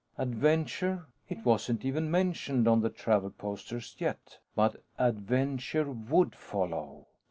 Adventure? It wasn't even mentioned on the travel posters, yet. But, adventure would follow.